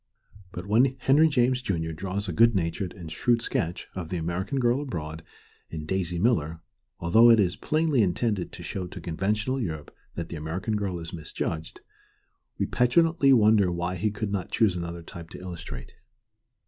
But when Henry James, Jun., draws a good natured and shrewd sketch of the American girl abroad in Daisy Miller, although it is plainly intended to show to conventional Europe that the American girl is misjudged, we petulantly wonder why he could not choose another type to illustrate.